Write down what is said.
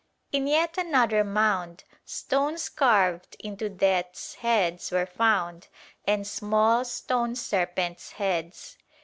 In yet another mound stones carved into death's heads were found and small stone serpents' heads.